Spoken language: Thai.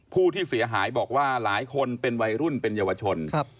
ผู้ที่เสียหายบอกว่าหลายคนเป็นวัยรุ่นเป็นเยาวชน